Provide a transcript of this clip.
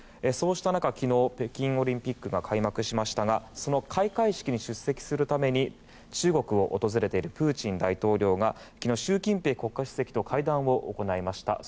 そうした中、昨日北京オリンピックが開幕しましたがその開会式に出席するために中国を訪れているプーチン大統領が昨日、習近平国家主席と会談を行いました。